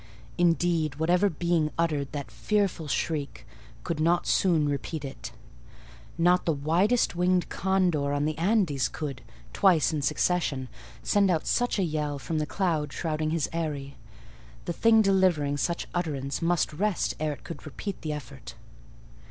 Indeed, whatever being uttered that fearful shriek could not soon repeat it: not the widest winged condor on the Andes could, twice in succession, send out such a yell from the cloud shrouding his eyrie. The thing delivering such utterance must rest ere it could repeat the effort.